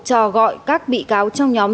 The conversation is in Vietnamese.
cho gọi các bị cáo trong nhóm